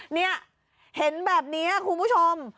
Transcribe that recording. นี่เห็นแบบนี้คุณผู้ชม